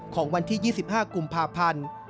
ของวันที่๒๕กุมภาพันธ์